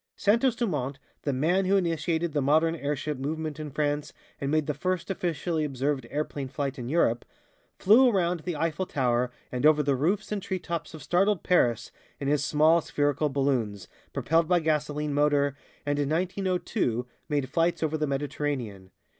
Santos Dumont, "the man who initiated the modern airship movement in France and made the first officially observed airplane flight in Europe," flew around the Eiffel Tower and over the roofs and treetops of startled Paris in his small spherical balloons, propelled by gasoline motor, and in 1902 made flights over the Mediterranean.